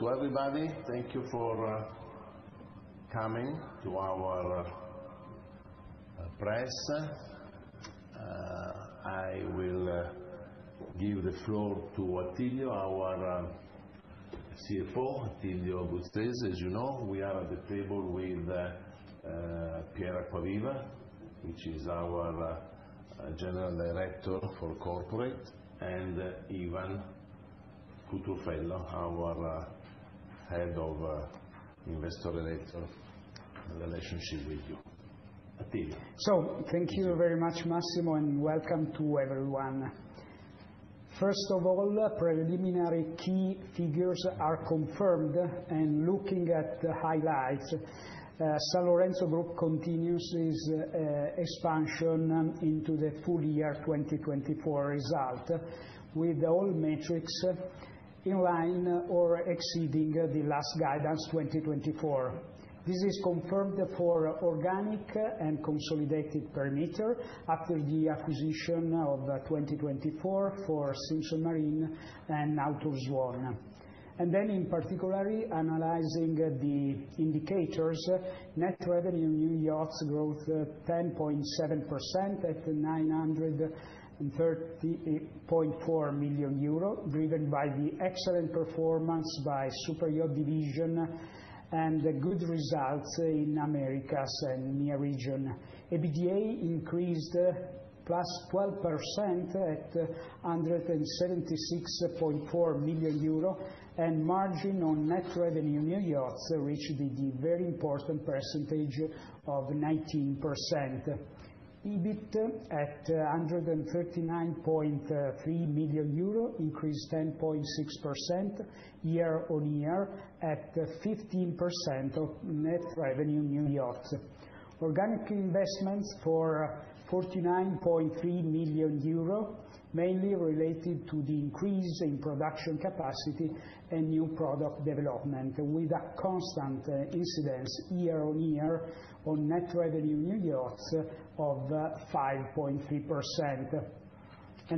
To everybody, thank you for coming to our press. I will give the floor to Attilio, our CFO, Attilio Bruzzese. As you know, we are at the table with Piero Acquaviva, which is our General Director for Corporate, and Ivan Cutrufello, our Head of Investor Relations with you. Attilio. Thank you very much, Massimo, and welcome to everyone. First of all, preliminary key figures are confirmed, and looking at the highlights, Sanlorenzo Group continues its expansion into the full year 2024 result, with all metrics in line or exceeding the last guidance 2024. This is confirmed for organic and consolidated per meter after the acquisition of 2024 for Simpson Marine and Nautor Swan. In particular, analyzing the indicators, Net Revenues New Yachts growth 10.7% at 930.4 million euro, driven by the excellent performance by the Superyacht Division and good results in the Americas and MEA region. EBITDA increased plus 12% at 176.4 million euro, and margin on Net Revenues New Yachts reached the very important percentage of 19%. EBIT at 139.3 million euro, increased 10.6% year on year at 15% of Net Revenues New Yachts. Organic investments for 49.3 million euro, mainly related to the increase in production capacity and new product development, with a constant incidence year on year on Net Revenues New Yachts of 5.3%. The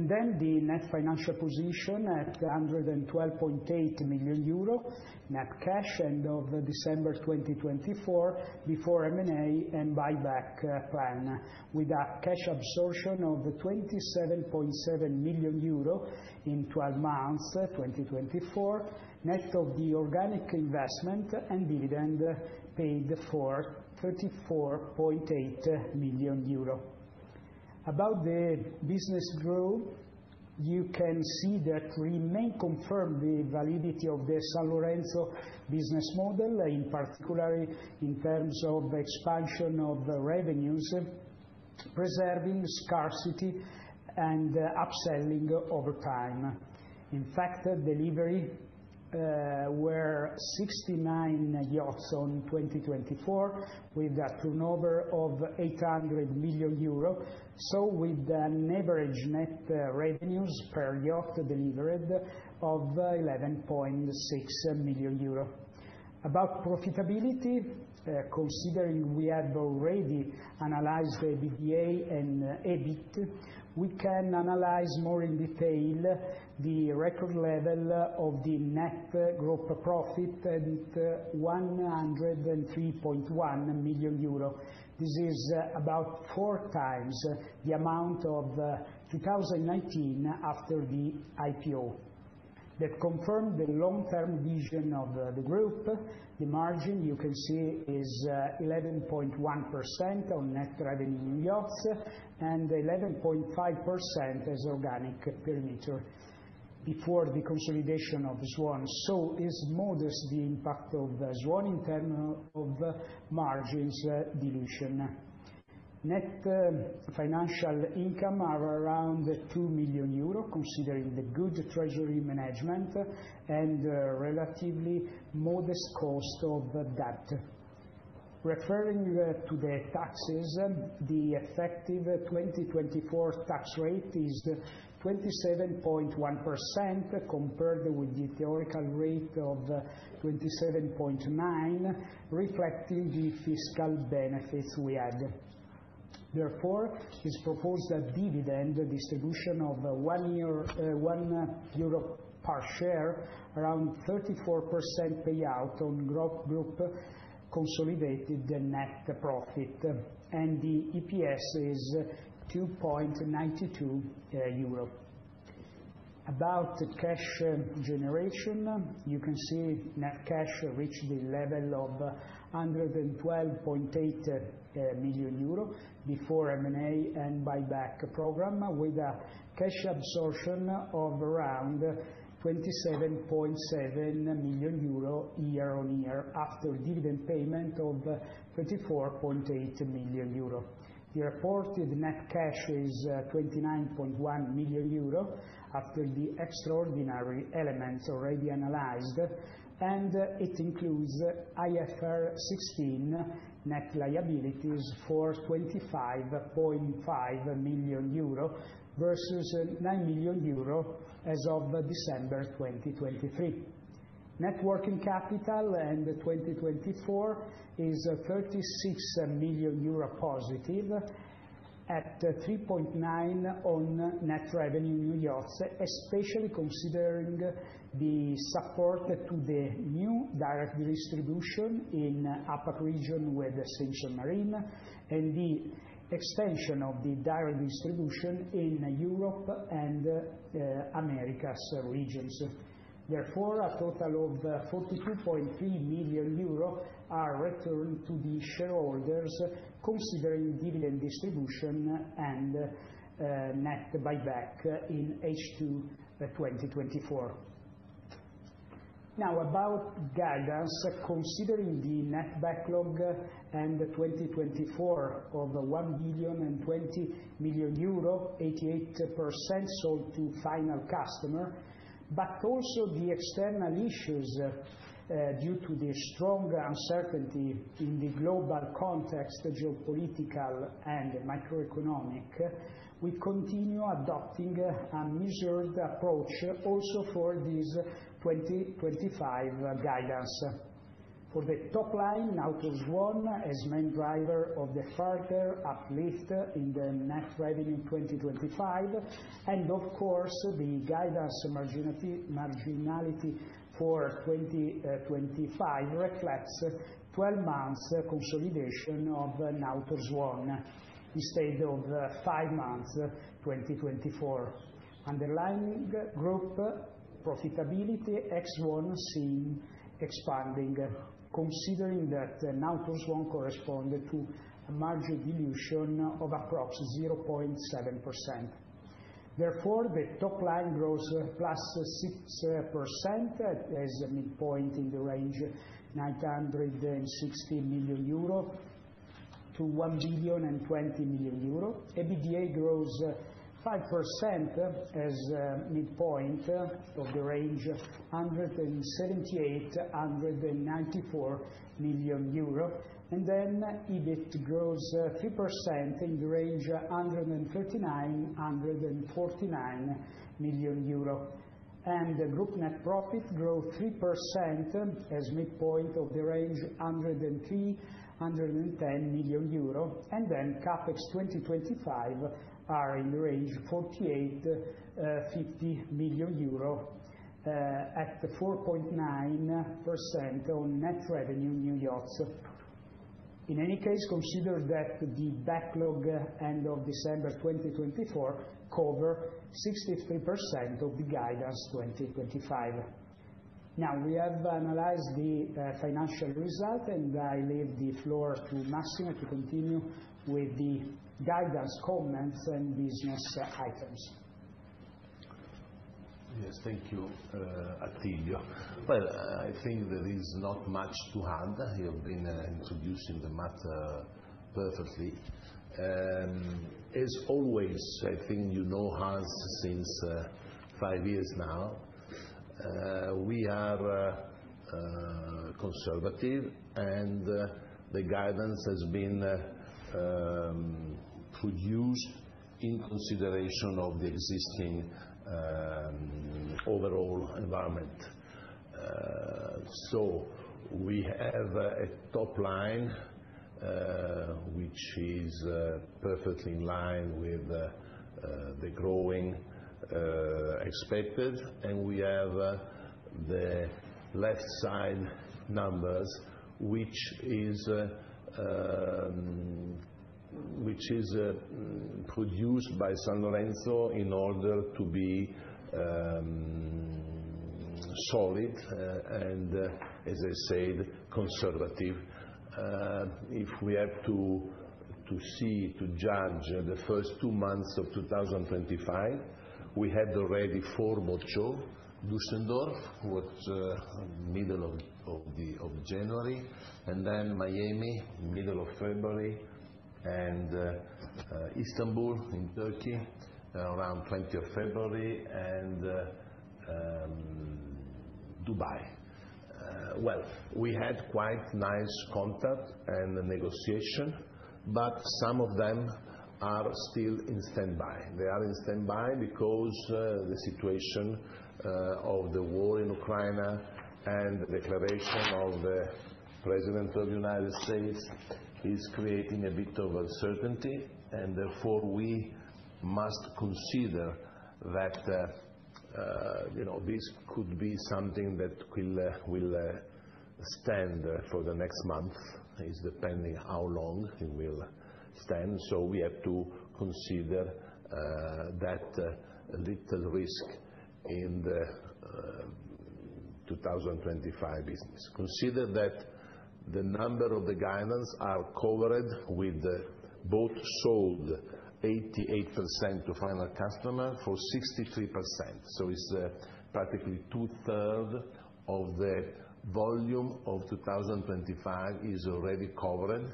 net financial position at 112.8 million euro, net cash end of December 2024, before M&A and buyback plan, with a cash absorption of 27.7 million euro in 12 months 2024, net of the organic investment and dividend paid for 34.8 million euro. About the business growth, you can see that we may confirm the validity of the Sanlorenzo business model, in particular in terms of expansion of revenues, preserving scarcity and upselling over time. In fact, delivery were 69 yachts in 2024, with a turnover of 800 million euro, with an average net revenues per yacht delivered of 11.6 million euro. About profitability, considering we have already analyzed EBITDA and EBIT, we can analyze more in detail the record level of the net group profit at 103.1 million euro. This is about four times the amount of 2019 after the IPO. That confirmed the long-term vision of the group. The margin, you can see, is 11.1% on Net Revenues New Yachts and 11.5% as organic per meter before the consolidation of Swan. So is modest the impact of Swan in terms of margins dilution. Net financial income is around 2 million euro, considering the good treasury management and relatively modest cost of debt. Referring to the taxes, the effective 2024 tax rate is 27.1% compared with the theoretical rate of 27.9%, reflecting the fiscal benefits we had. Therefore, it's proposed that dividend distribution of 1 euro per share, around 34% payout on group consolidated net profit, and the EPS is 2.92 euro. About cash generation, you can see net cash reached the level of 112.8 million euro before M&A and buyback program, with a cash absorption of around 27.7 million euro year on year after dividend payment of 24.8 million euro. The reported net cash is 29.1 million euro after the extraordinary elements already analyzed, and it includes IFRS 16 net liabilities for 25.5 million euro versus 9 million euro as of December 2023. Net working capital in 2024 is 36 million euro positive at 3.9% on net revenue, especially considering the support to the new direct distribution in APAC region with Simpson Marine and the extension of the direct distribution in Europe and Americas regions. Therefore, a total of 42.3 million euro are returned to the shareholders, considering dividend distribution and net buyback in H2 2024. Now, about guidance, considering the net backlog end 2024 of 1 billion and 20 million, 88% sold to final customer, but also the external issues due to the strong uncertainty in the global context, geopolitical and macroeconomic, we continue adopting a measured approach also for this 2025 guidance. For the top line, Nautor Swan as main driver of the further uplift in the net revenue 2025, and of course, the guidance marginality for 2025 reflects 12 months consolidation of Nautor Swan, instead of 5 months 2024. Underlining group profitability, ex-Swan seen expanding, considering that Nautor Swan corresponded to a margin dilution of approximately 0.7%. Therefore, the top line grows plus 6% as a midpoint in the range 960 million-1 billion euro and 20 million. EBITDA grows 5% as a midpoint of the range 178 million-194 million euro, and then EBIT grows 3% in the range 139 million-149 million euro. The group net profit grows 3% as midpoint of the range 103 million-110 million euro, and then CAPEX 2025 are in the range 48 million-50 million euro at 4.9% on net revenue in New York's. In any case, consider that the backlog end of December 2024 covered 63% of the guidance 2025. Now, we have analyzed the financial result, and I leave the floor to Massimo to continue with the guidance comments and business items. Yes, thank you, Attilio. I think there is not much to add. You have been introducing the matter perfectly. As always, I think you know us since five years now. We are conservative, and the guidance has been produced in consideration of the existing overall environment. We have a top line, which is perfectly in line with the growing expected, and we have the left side numbers, which is produced by Sanlorenzo in order to be solid and, as I said, conservative. If we have to see, to judge the first two months of 2025, we had already four boat shows, Düsseldorf, which was middle of January, and then Miami, middle of February, and Istanbul in Turkey, around 20th of February, and Dubai. We had quite nice contact and negotiation, but some of them are still in standby. They are in standby because the situation of the war in Ukraine and the declaration of the President of the United States is creating a bit of uncertainty, and therefore we must consider that this could be something that will stand for the next month. It's depending how long it will stand, so we have to consider that little risk in the 2025 business. Consider that the number of the guidance are covered with both sold 88% to final customer for 63%. So it's practically two-thirds of the volume of 2025 is already covered,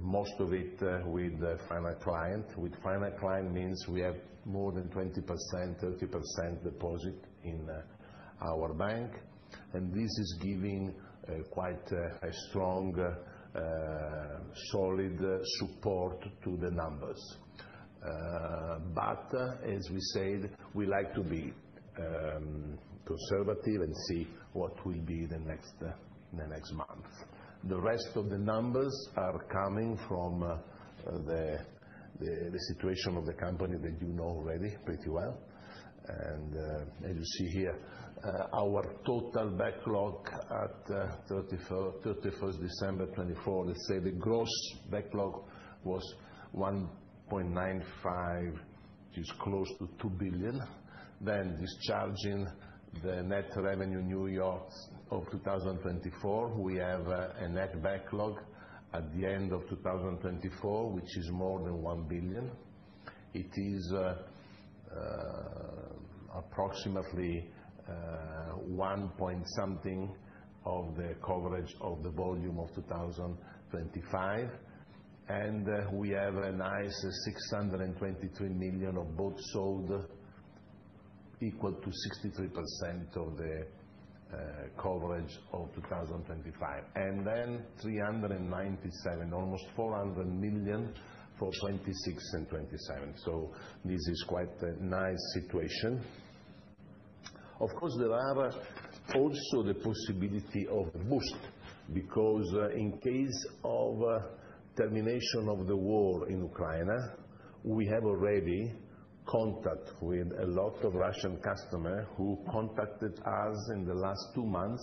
most of it with final client. With final client means we have more than 20%, 30% deposit in our bank, and this is giving quite a strong, solid support to the numbers. As we said, we like to be conservative and see what will be the next month. The rest of the numbers are coming from the situation of the company that you know already pretty well. As you see here, our total backlog at 31 December 2024, let's say the gross backlog was 1.95 billion, which is close to 2 billion. Discharging the net revenue in New York's of 2024, we have a net backlog at the end of 2024, which is more than 1 billion. It is approximately one point something of the coverage of the volume of 2025, and we have a nice 623 million of both sold, equal to 63% of the coverage of 2025. 397 million, almost 400 million for 2026 and 2027. This is quite a nice situation. Of course, there are also the possibility of a boost because in case of termination of the war in Ukraine, we have already contact with a lot of Russian customers who contacted us in the last two months,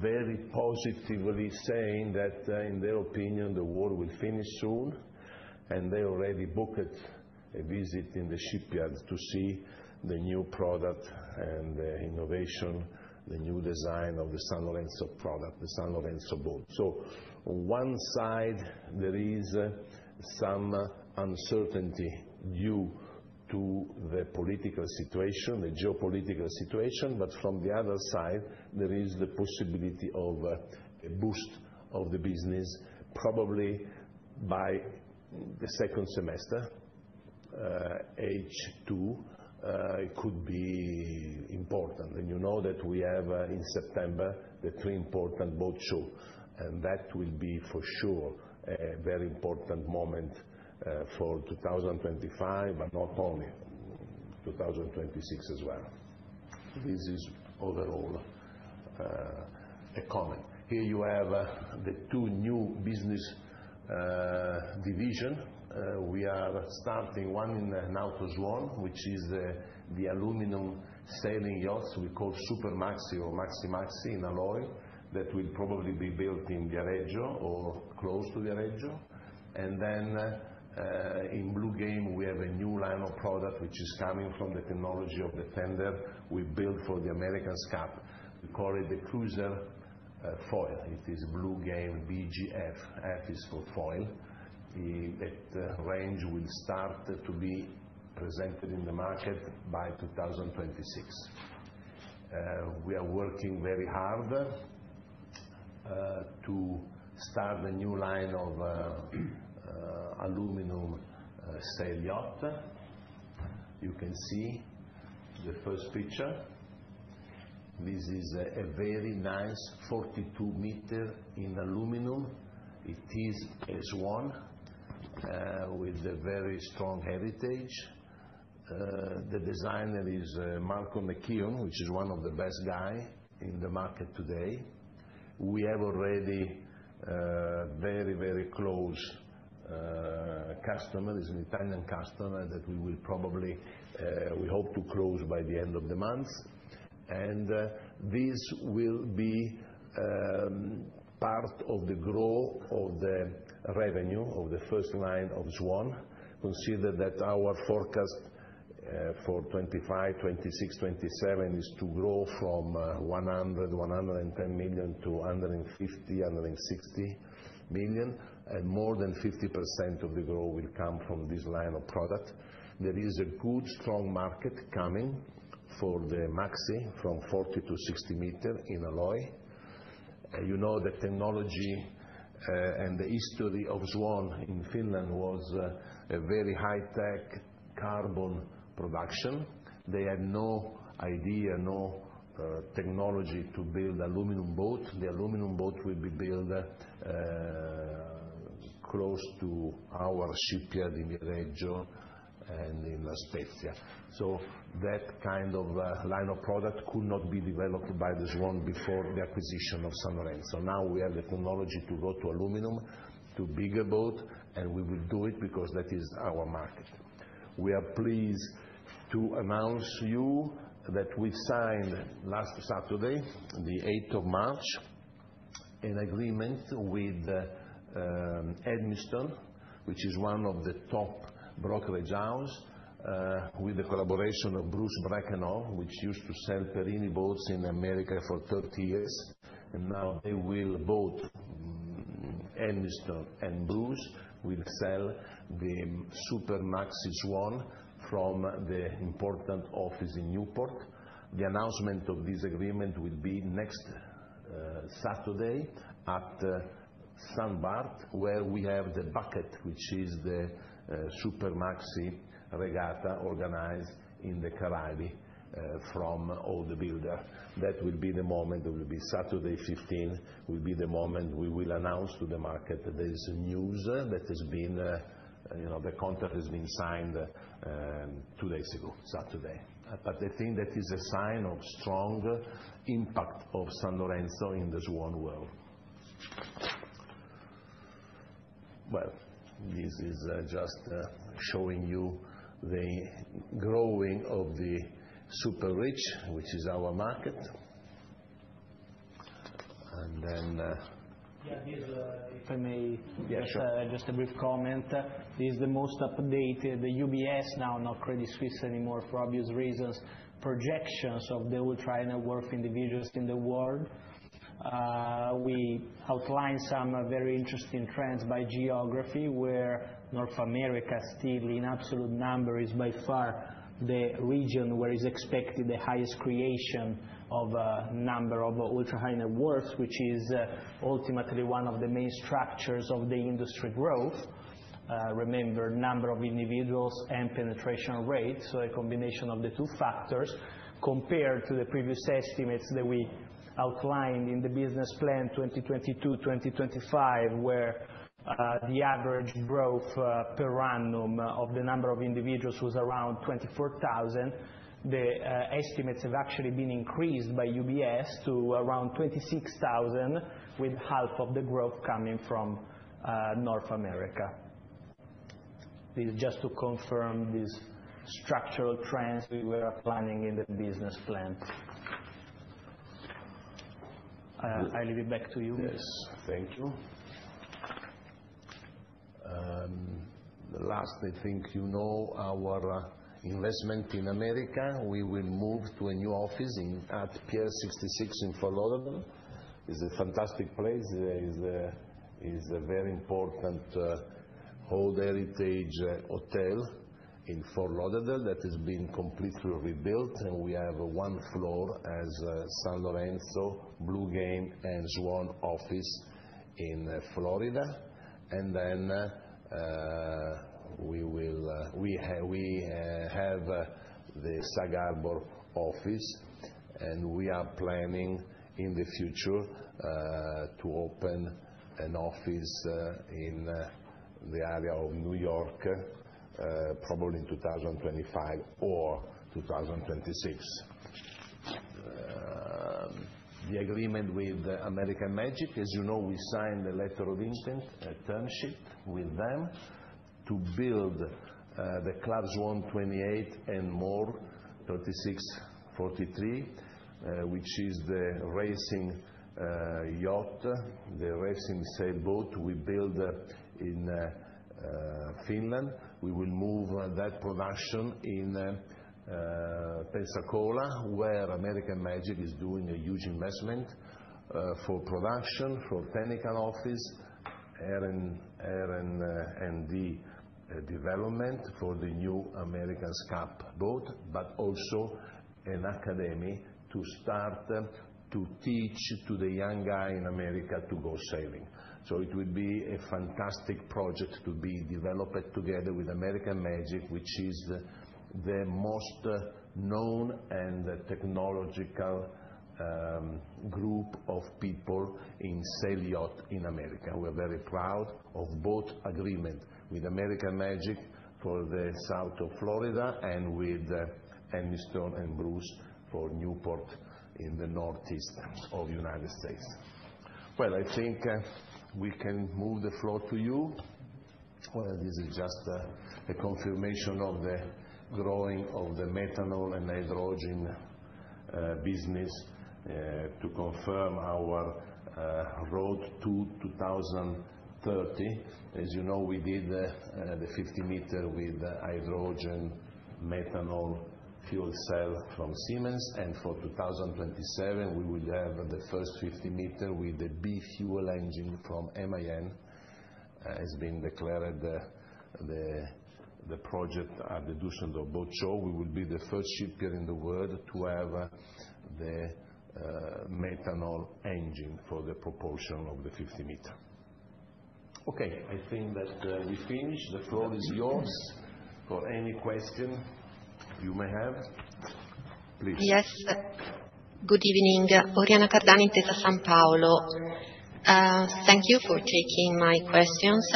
very positively saying that in their opinion the war will finish soon, and they already booked a visit in the shipyard to see the new product and the innovation, the new design of the Sanlorenzo product, the Sanlorenzo boat. On one side, there is some uncertainty due to the political situation, the geopolitical situation, but from the other side, there is the possibility of a boost of the business, probably by the second semester, H2, could be important. You know that we have in September the three important Monaco, and that will be for sure a very important moment for 2025, but not only, 2026 as well. This is overall a comment. Here you have the two new business divisions. We are starting one in Nautor Swan, which is the aluminum sailing yachts we call Super Maxi or Maxi Maxi in alloy, that will probably be built in Viareggio or close to Viareggio. In Bluegame, we have a new line of product which is coming from the technology of the tender we built for the American Magic. We call it the Cruiser Foil. It is Bluegame BGF, F is for Foil. That range will start to be presented in the market by 2026. We are working very hard to start a new line of aluminum sail yacht. You can see the first picture. This is a very nice 42-meter in aluminum. It is a Swan with a very strong heritage. The designer is Malcolm McKeon, which is one of the best guys in the market today. We have already a very, very close customer, an Italian customer that we will probably, we hope to close by the end of the month. This will be part of the growth of the revenue of the first line of Swan, consider that our forecast for 2025, 2026, 2027 is to grow from 100 million-110 million to 150 million-160 million, and more than 50% of the growth will come from this line of product. There is a good strong market coming for the Maxi from 40-60 meter in alloy. You know the technology and the history of Swan in Finland was a very high-tech carbon production. They had no idea, no technology to build aluminum boat. The aluminum boat will be built close to our shipyard in Viareggio and in La Spezia. That kind of line of product could not be developed by Swan before the acquisition of Sanlorenzo. Now we have the technology to go to aluminum, to bigger boat, and we will do it because that is our market. We are pleased to announce to you that we signed last Saturday, the 8th of March, an agreement with Edmiston, which is one of the top brokerage houses with the collaboration of Bruce Brakenhoff, which used to sell Perini boats in America for 30 years. Now they will both, Edmiston and Bruce, will sell the Super Maxi Swan from the important office in Newport. The announcement of this agreement will be next Saturday at St. Barts, where we have the Bucket, which is the Super Maxi regatta organized in the Caraibi from all the builders. That will be the moment. It will be Saturday the 15th will be the moment we will announce to the market this news that has been, the contract has been signed two days ago, Saturday. I think that is a sign of strong impact of Sanlorenzo in the Swan world. This is just showing you the growing of the super rich, which is our market. And then. Yeah, if I may. Yes. Just a brief comment. This is the most updated UBS now, not Credit Suisse anymore for obvious reasons, projections of the ultra-high-net-worth individuals in the world. We outlined some very interesting trends by geography where North America still in absolute number is by far the region where is expected the highest creation of a number of ultra-high net worth, which is ultimately one of the main structures of the industry growth. Remember, number of individuals and penetration rate, so a combination of the two factors compared to the previous estimates that we outlined in the business plan 2022-2025, where the average growth per annum of the number of individuals was around 24,000. The estimates have actually been increased by UBS to around 26,000 with half of the growth coming from North America. This is just to confirm these structural trends we were planning in the business plan. I leave it back to you. Yes, thank you. Last, I think you know our investment in America. We will move to a new office at Pier 66 in Fort Lauderdale. It's a fantastic place. There is a very important old heritage hotel in Fort Lauderdale that has been completely rebuilt, and we have one floor as Sanlorenzo, Bluegame, and Swan office in Florida. We have the Sag Harbor office, and we are planning in the future to open an office in the area of New York probably in 2025 or 2026. The agreement with American Magic, as you know, we signed the letter of intent, a term sheet with them to build the Swan 128 and ClubSwan 36, 43, which is the racing yacht, the racing sailboat we built in Finland. We will move that production in Pensacola, where American Magic is doing a huge investment for production, for technical office, R&D development for the new America's Cup boat, but also an academy to start to teach to the young guy in America to go sailing. It would be a fantastic project to be developed together with American Magic, which is the most known and technological group of people in sail yacht in America. We are very proud of both agreements with American Magic for the south of Florida and with Edmiston and Bruce for Newport in the northeast of the United States. I think we can move the floor to you. This is just a confirmation of the growing of the methanol and hydrogen business to confirm our road to 2030. As you know, we did the 50-meter with hydrogen, methanol fuel cell from Siemens, and for 2027, we will have the first 50-meter with the Bi-fuel engine from MAN. It's been declared the project at the Düsseldorf Boat Show. We will be the first shipyard in the world to have the methanol engine for the propulsion of the 50-meter. Okay, I think that we finished. The floor is yours for any question you may have. Please. Yes. Good evening. Oriana Cardani, Intesa Sanpaolo. Thank you for taking my questions.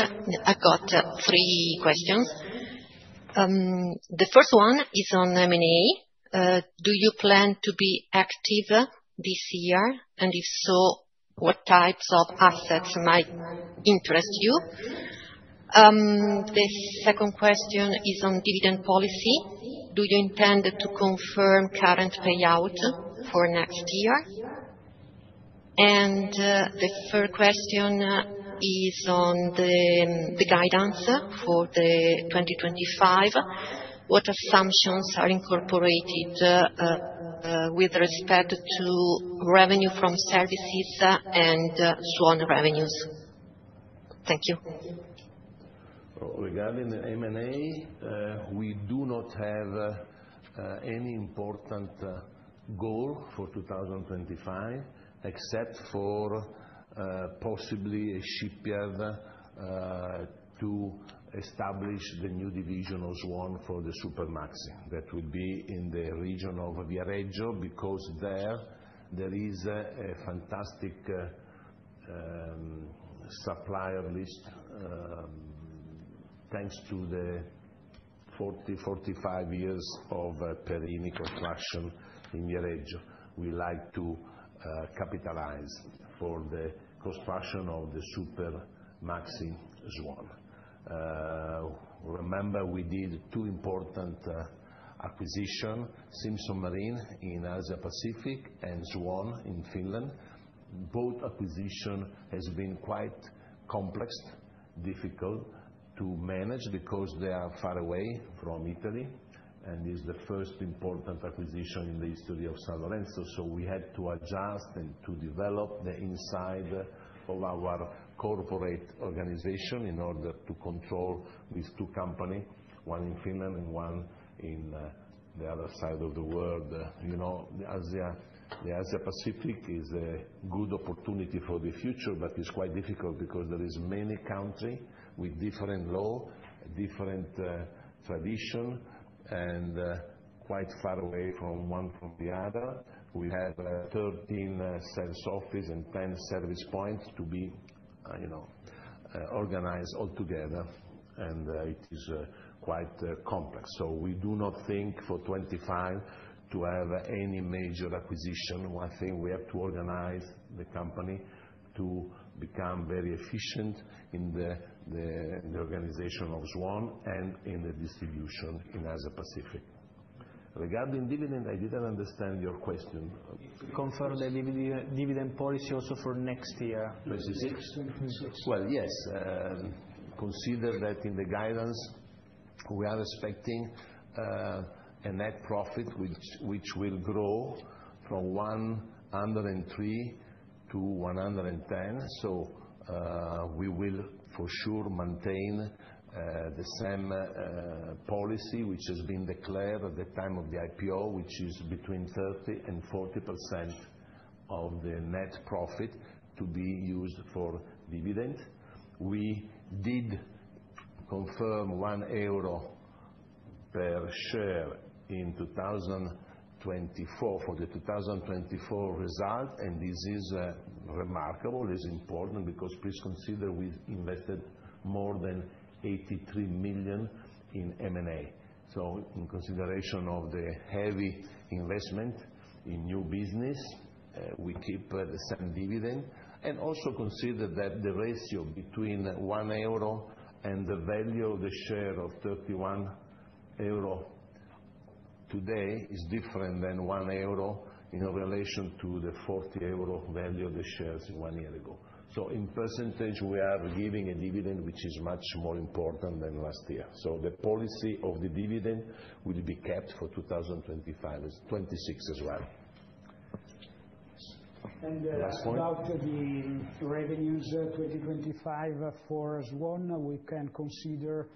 I've got three questions. The first one is on M&A. Do you plan to be active this year? If so, what types of assets might interest you? The second question is on dividend policy. Do you intend to confirm current payout for next year? The third question is on the guidance for 2025. What assumptions are incorporated with respect to revenue from services and Swan revenues? Thank you. Regarding the M&A, we do not have any important goal for 2025 except for possibly a shipyard to establish the new division of Swan for the Super Maxi. That would be in the region of Viareggio because there is a fantastic supplier list thanks to the 40, 45 years of Perini construction in Viareggio. We like to capitalize for the construction of the Super Maxi Swan. Remember, we did two important acquisitions: Simpson Marine in Asia Pacific and Swan in Finland. Both acquisitions have been quite complex, difficult to manage because they are far away from Italy, and it's the first important acquisition in the history of Sanlorenzo. We had to adjust and to develop the inside of our corporate organization in order to control these two companies, one in Finland and one in the other side of the world. The Asia Pacific is a good opportunity for the future, but it's quite difficult because there are many countries with different laws, different traditions, and quite far away from one from the other. We have 13 sales offices and 10 service points to be organized altogether, and it is quite complex. We do not think for 2025 to have any major acquisition. I think we have to organize the company to become very efficient in the organization of Swan and in the distribution in Asia Pacific. Regarding dividend, I didn't understand your question. Confirm the dividend policy also for next year. 2016? 2016. Yes. Consider that in the guidance, we are expecting a net profit which will grow from 103 million to 110 million. We will for sure maintain the same policy which has been declared at the time of the IPO, which is between 30% and 40% of the net profit to be used for dividend. We did confirm 1 euro per share in 2024 for the 2024 result, and this is remarkable. It's important because please consider we invested more than 83 million in M&A. In consideration of the heavy investment in new business, we keep the same dividend. Also consider that the ratio between 1 euro and the value of the share of 31 euro today is different than 1 euro in relation to the 40 euro value of the shares one year ago. In percentage, we are giving a dividend which is much more important than last year. The policy of the dividend will be kept for 2025, 2026 as well. About the revenues 2025 for Swan, we can consider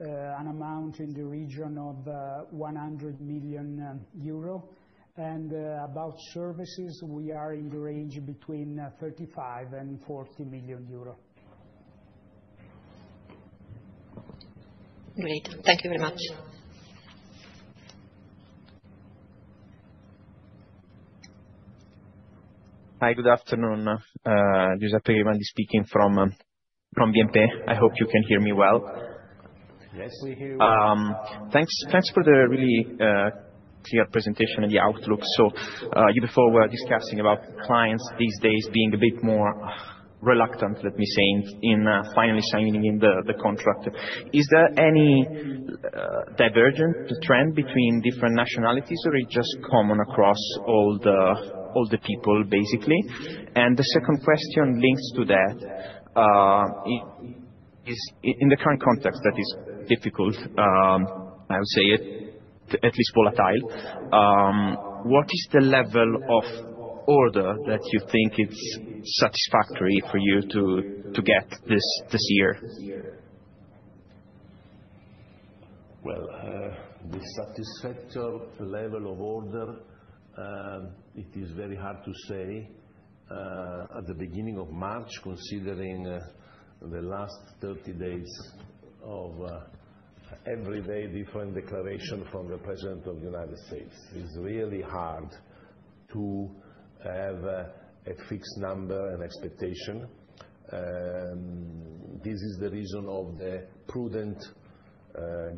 an amount in the region of 100 million euro. About services, we are in the range between 35 million and 40 million euro. Great. Thank you very much. Hi, good afternoon. Giuseppe Grimaldi speaking from BNP. I hope you can hear me well. Yes, we hear you. Thanks for the really clear presentation and the outlook. You before were discussing about clients these days being a bit more reluctant, let me say, in finally signing in the contract. Is there any divergent trend between different nationalities, or is it just common across all the people basically? The second question links to that. In the current context, that is difficult, I would say at least volatile. What is the level of order that you think is satisfactory for you to get this year? The satisfactory level of order, it is very hard to say. At the beginning of March, considering the last 30 days of everyday different declaration from the President of the U.S., it's really hard to have a fixed number and expectation. This is the reason of the prudent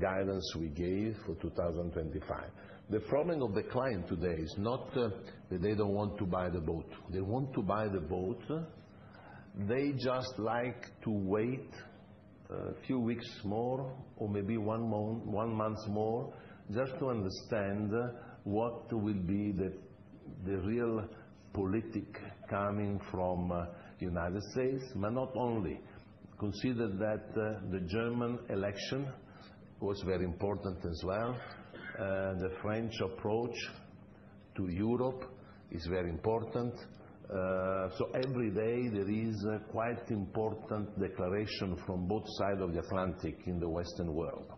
guidance we gave for 2025. The problem of the client today is not that they don't want to buy the boat. They want to buy the boat. They just like to wait a few weeks more or maybe one month more just to understand what will be the real politics coming from the U.S., but not only. Consider that the German election was very important as well. The French approach to Europe is very important. Every day there is a quite important declaration from both sides of the Atlantic in the Western world.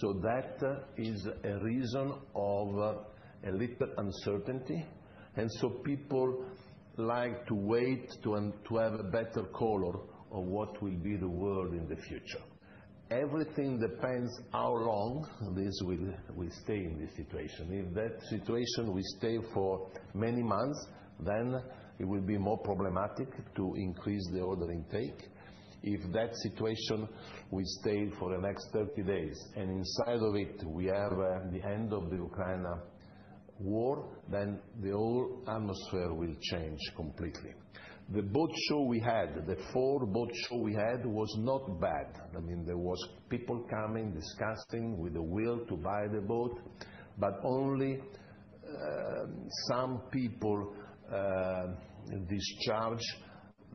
That is a reason of a little uncertainty. People like to wait to have a better color of what will be the world in the future. Everything depends how long this will stay in this situation. If that situation will stay for many months, it will be more problematic to increase the order intake. If that situation will stay for the next 30 days and inside of it we have the end of the Ukraine war, the whole atmosphere will change completely. The boat show we had, the four boat show we had was not bad. I mean, there were people coming, discussing with the will to buy the boat, but only some people discharged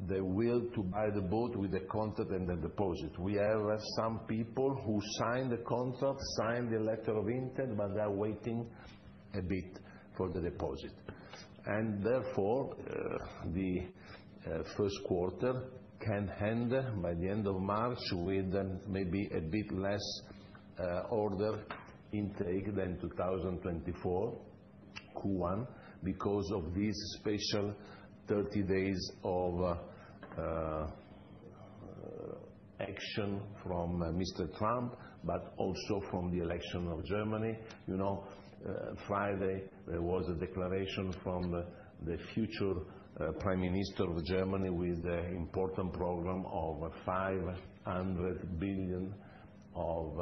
the will to buy the boat with the contract and the deposit. We have some people who signed the contract, signed the letter of intent, but they are waiting a bit for the deposit. Therefore, the first quarter can handle by the end of March with maybe a bit less order intake than 2024 Q1 because of these special 30 days of action from Mr. Trump, but also from the election of Germany. Friday, there was a declaration from the future Prime Minister of Germany with the important program of 500 billion of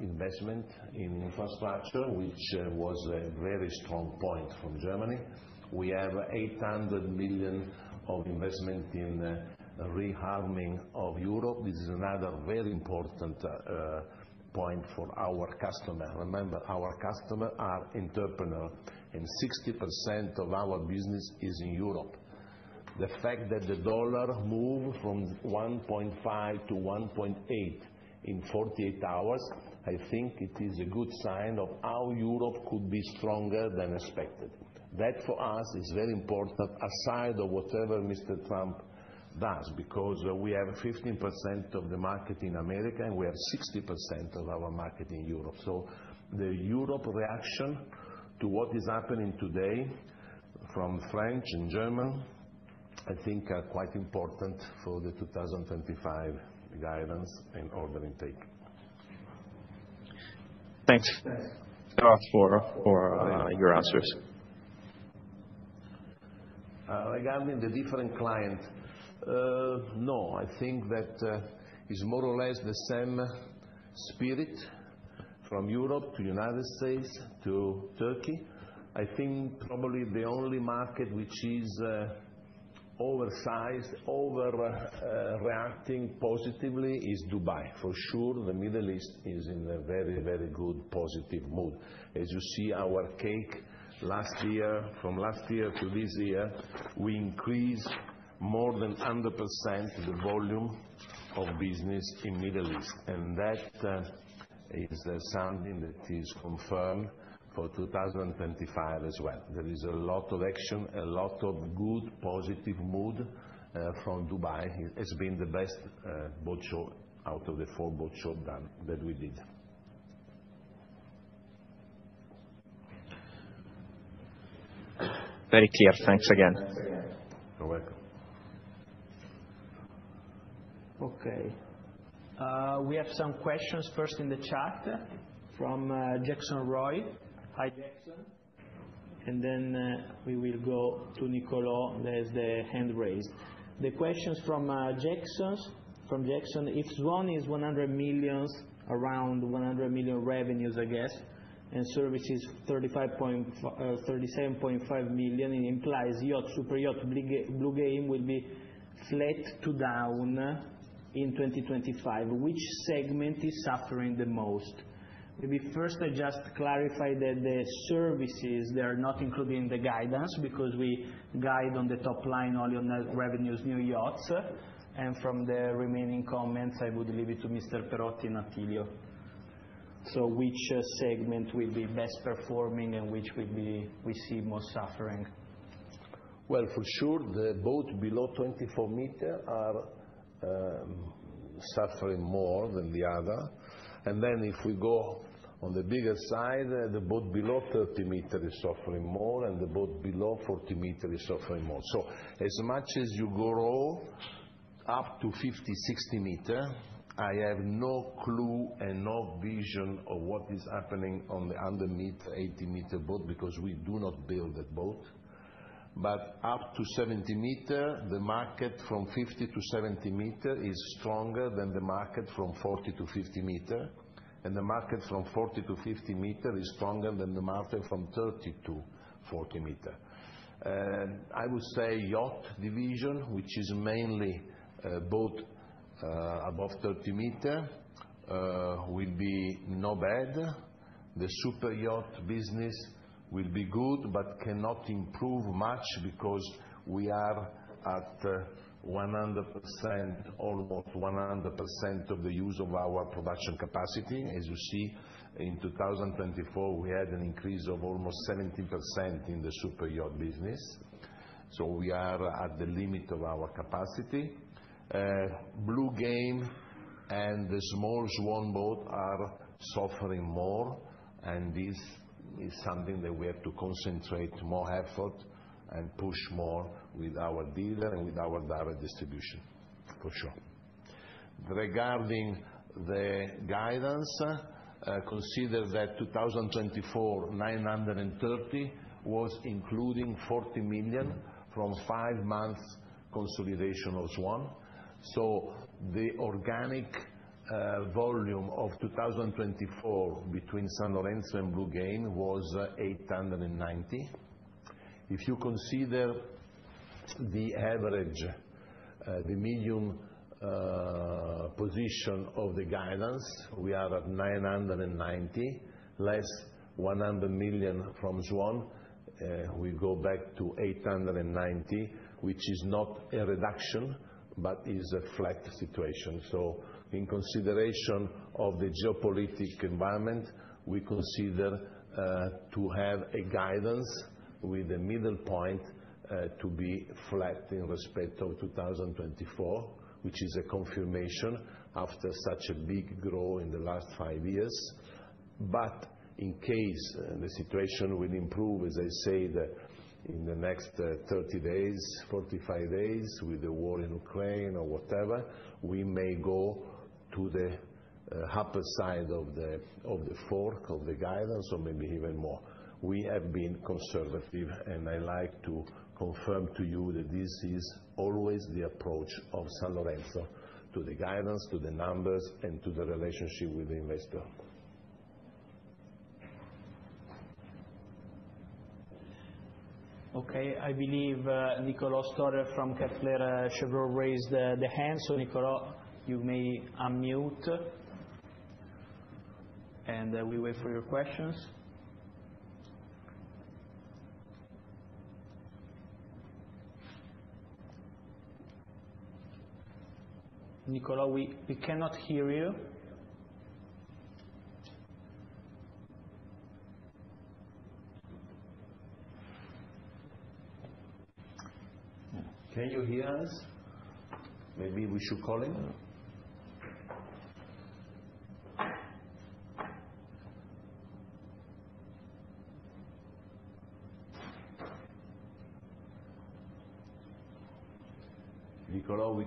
investment in infrastructure, which was a very strong point from Germany. We have 800 million of investment in rearming of Europe. This is another very important point for our customers. Remember, our customers are entrepreneurs, and 60% of our business is in Europe. The fact that the dollar moved from 1.5 to 1.8 in 48 hours, I think it is a good sign of how Europe could be stronger than expected. That for us is very important aside of whatever Mr. Trump does because we have 15% of the market in America and we have 60% of our market in Europe. The Europe reaction to what is happening today from French and German, I think are quite important for the 2025 guidance and order intake. Thanks. Thanks. Thanks for your answers. Regarding the different clients, no. I think that it's more or less the same spirit from Europe to the United States to Turkey. I think probably the only market which is oversized, overreacting positively is Dubai. For sure, the Middle East is in a very, very good positive mood. As you see our cake last year, from last year to this year, we increased more than 100% the volume of business in the Middle East. That is something that is confirmed for 2025 as well. There is a lot of action, a lot of good positive mood from Dubai. It has been the best boat show out of the four boat shows that we did. Very clear. Thanks again. Thanks again. You're welcome. Okay. We have some questions first in the chat from Jackson Roy. Hi, Jackson. And then we will go to Nicolò. There is the hand raised. The questions from Jackson. If Swan is 100 million, around 100 million revenues, I guess, and services 37.5 million, it implies Superyacht, Bluegame will be flat to down in 2025. Which segment is suffering the most? Maybe first I just clarify that the services, they are not included in the guidance because we guide on the top line only on revenues, new yachts. From the remaining comments, I would leave it to Mr. Perotti and Attilio. Which segment will be best performing and which will we see more suffering? For sure, the boat below 24 meters are suffering more than the other. If we go on the bigger side, the boat below 30 meters is suffering more, and the boat below 40 meters is suffering more. As much as you grow up to 50, 60 meters, I have no clue and no vision of what is happening on the underneath 80-meter boat because we do not build that boat. Up to 70 meters, the market from 50-70 meters is stronger than the market from 40-50 meters. The market from 40-50 meters is stronger than the market from 30-40 meters. I would say Yacht Division, which is mainly boat above 30 meters, will be no bad. The super yacht business will be good, but cannot improve much because we are at 100%, almost 100% of the use of our production capacity. As you see, in 2024, we had an increase of almost 70% in the super yacht business. We are at the limit of our capacity. Bluegame and the small Swan boat are suffering more, and this is something that we have to concentrate more effort and push more with our dealer and with our direct distribution, for sure. Regarding the guidance, consider that 2024, 930 million was including 40 million from five months consolidation of Swan. The organic volume of 2024 between Sanlorenzo and Bluegame was 890 million. If you consider the average, the medium position of the guidance, we are at 990 million, less 100 million from Swan. We go back to 890, which is not a reduction, but is a flat situation. In consideration of the geopolitic environment, we consider to have a guidance with the middle point to be flat in respect of 2024, which is a confirmation after such a big grow in the last five years. In case the situation will improve, as I said, in the next 30 days, 45 days with the war in Ukraine or whatever, we may go to the upper side of the fork of the guidance or maybe even more. We have been conservative, and I like to confirm to you that this is always the approach of Sanlorenzo to the guidance, to the numbers, and to the relationship with the investor. Okay. I believe Nicolò Stotter from Kepler Cheuvreux raised the hand. Nicolò, you may unmute, and we wait for your questions. Nicolò, we cannot hear you. Can you hear us? Maybe we should call him.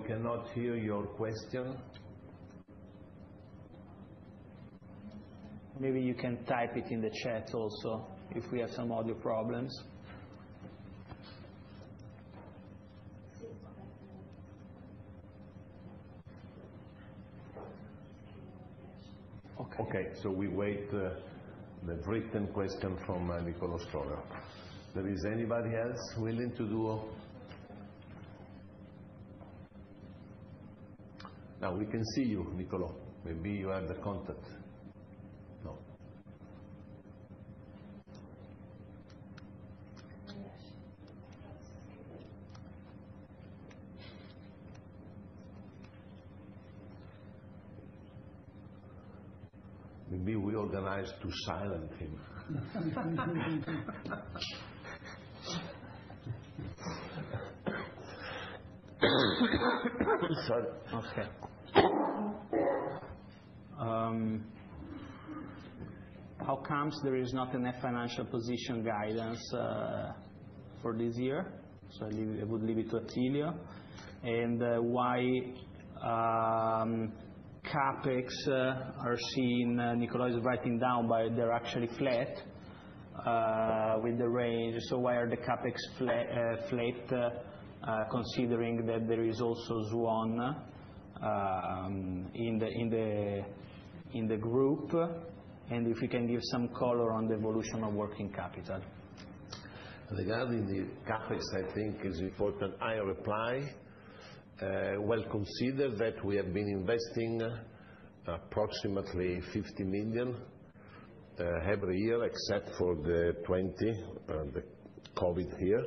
Nicolò, we cannot hear your question. Maybe you can type it in the chat also if we have some audio problems. Okay. We wait for the written question from Nicolò Stotter. Is there anybody else willing to do? Now we can see you, Nicolò. Maybe you have the contact. No. Maybe we organize to silent him. Sorry. Okay. How comes there is not enough financial position guidance for this year? I would leave it to Attilio. Why CapEx are seeing Nicolò is writing down, but they're actually flat with the range? Why are the CapEx flat considering that there is also Swan in the group? If you can give some color on the evolution of working capital. Regarding the CapEx, I think it's important. I'll reply. Consider that we have been investing approximately 50 million every year, except for the 2020, the COVID year.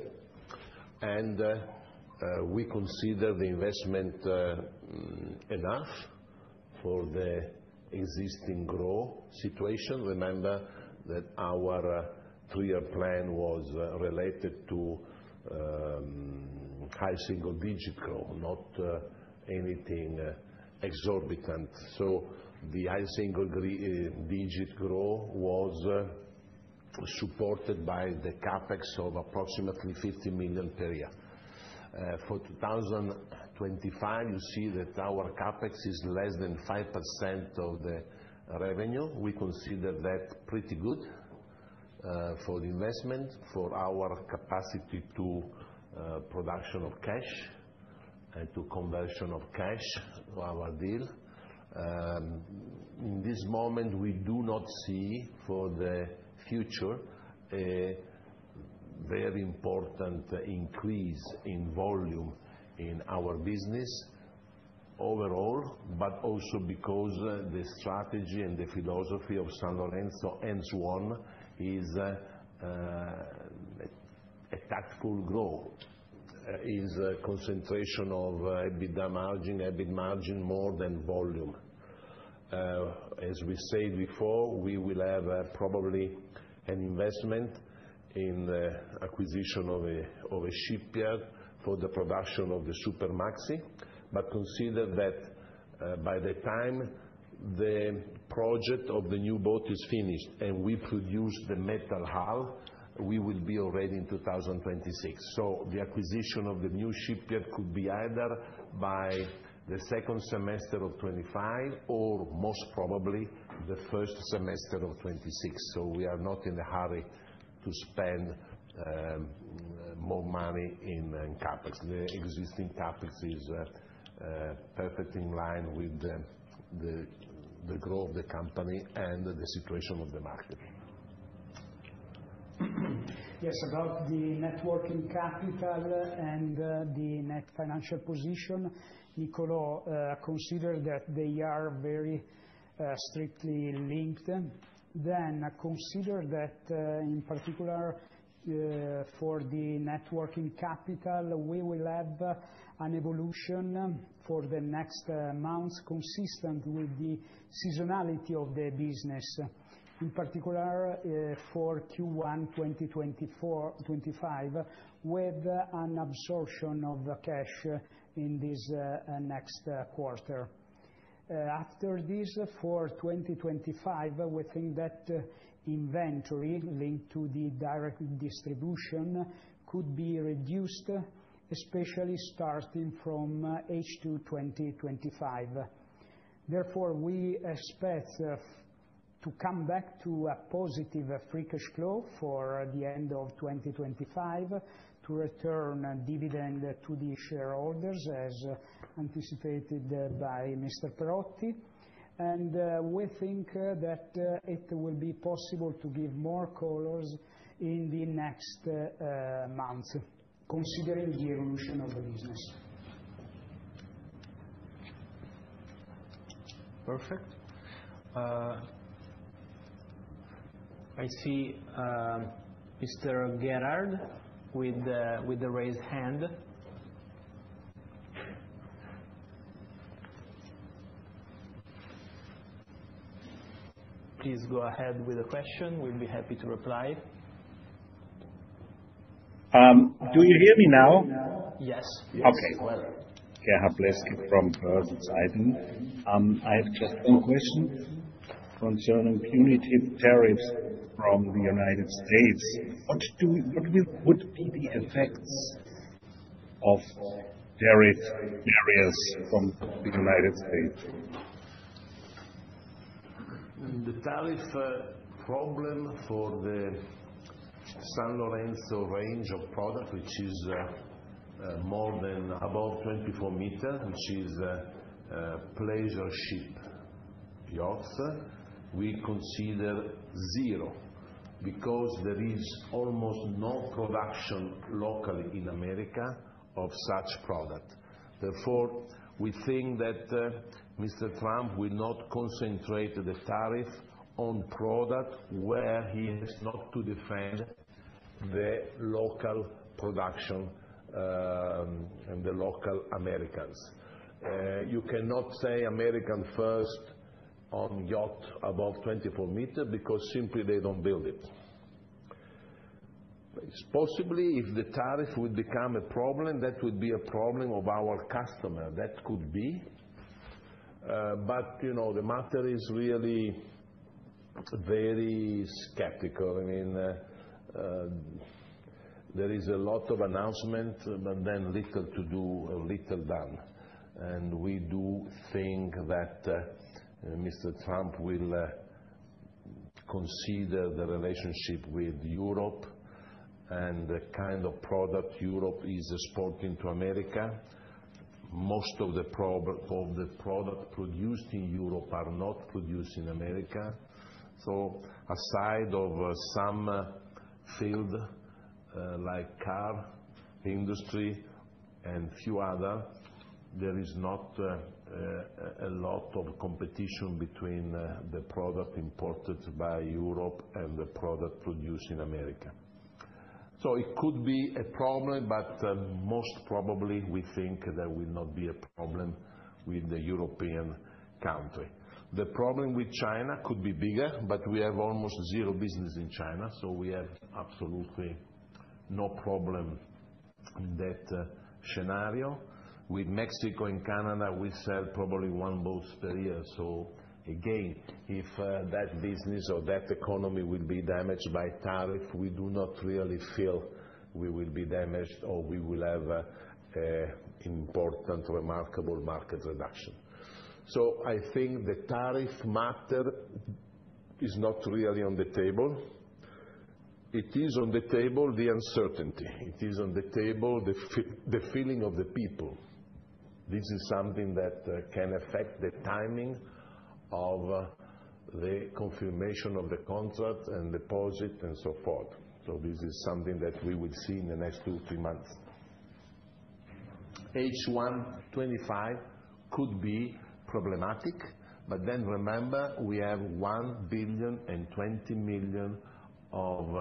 We consider the investment enough for the existing growth situation. Remember that our three-year plan was related to high single digit growth, not anything exorbitant. The high single digit growth was supported by the CapEx of approximately 50 million per year. For 2025, you see that our CapEx is less than 5% of the revenue. We consider that pretty good for the investment, for our capacity to production of cash and to conversion of cash to our deal. In this moment, we do not see for the future a very important increase in volume in our business overall, but also because the strategy and the philosophy of Sanlorenzo and Swan is a tactful grow, is a concentration of EBITDA margin, EBIT margin more than volume. As we said before, we will have probably an investment in the acquisition of a shipyard for the production of the super maxi, but consider that by the time the project of the new boat is finished and we produce the metal hull, we will be already in 2026. The acquisition of the new shipyard could be either by the second semester of 2025 or most probably the first semester of 2026. We are not in a hurry to spend more money in CapEx. The existing CapEx is perfectly in line with the grow of the company and the situation of the market. Yes. About the net working capital and the net financial position, Nicolò, consider that they are very strictly linked. Consider that in particular for the net working capital, we will have an evolution for the next months consistent with the seasonality of the business, in particular for Q1 2025, with an absorption of cash in this next quarter. After this, for 2025, we think that inventory linked to the direct distribution could be reduced, especially starting from H2 2025. Therefore, we expect to come back to a positive free cash flow for the end of 2025 to return dividend to the shareholders as anticipated by Mr. Perotti. We think that it will be possible to give more colors in the next months considering the evolution of the business. Perfect. I see Mr. Gérard with the raised hand. Please go ahead with a question. We'll be happy to reply. Do you hear me now? Yes. Okay. Yes. Well. Yeah. Hi, please. From Perotti's side. I have just one question concerning punitive tariffs from the United States. What would be the effects of tariff barriers from the United States? The tariff problem for the Sanlorenzo range of product, which is more than about 24 meters, which is pleasure ship yachts, we consider zero because there is almost no production locally in America of such product. Therefore, we think that Mr. Trump will not concentrate the tariff on product where he has not to defend the local production and the local Americans. You cannot say American first on yacht above 24 meters because simply they do not build it. Possibly, if the tariff would become a problem, that would be a problem of our customer. That could be. The matter is really very skeptical. I mean, there is a lot of announcements, but then little to do or little done. We do think that Mr. Trump will consider the relationship with Europe and the kind of product Europe is exporting to America. Most of the product produced in Europe are not produced in America. Aside of some field like car industry and few other, there is not a lot of competition between the product imported by Europe and the product produced in America. It could be a problem, but most probably we think there will not be a problem with the European country. The problem with China could be bigger, but we have almost zero business in China. We have absolutely no problem in that scenario. With Mexico and Canada, we sell probably one boat per year. If that business or that economy will be damaged by tariff, we do not really feel we will be damaged or we will have an important remarkable market reduction. I think the tariff matter is not really on the table. It is on the table, the uncertainty. It is on the table, the feeling of the people. This is something that can affect the timing of the confirmation of the contract and deposit and so forth. This is something that we will see in the next two, three months. H1 2025 could be problematic, but remember we have 1.02 billion of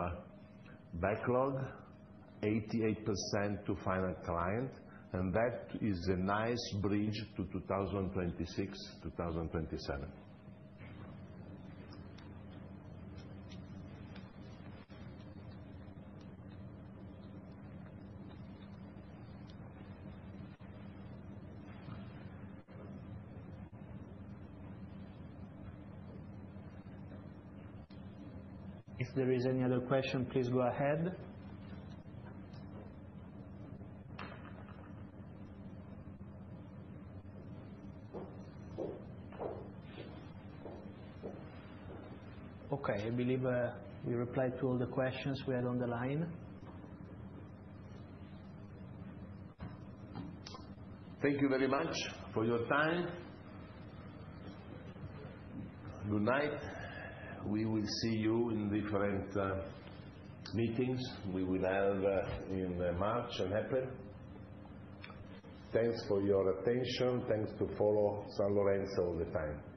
backlog, 88% to final client, and that is a nice bridge to 2026, 2027. If there is any other question, please go ahead. Okay. I believe we replied to all the questions we had on the line. Thank you very much for your time. Good night. We will see you in different meetings. We will have in March and April. Thanks for your attention. Thanks to follow Sanlorenzo all the time.